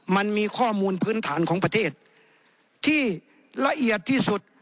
มันมีข้อมูลพื้นฐานของประเทศที่ละเอียดที่สุด